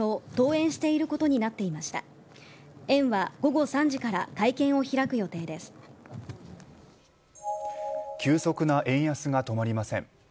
園は午後３時から急速な円安が止まりません。